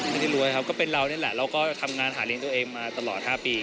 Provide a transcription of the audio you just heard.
รวยครับก็เป็นเรานี่แหละเราก็ทำงานหาเลี้ยงตัวเองมาตลอด๕ปี